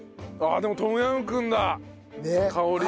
でもトムヤムクンだ香りが。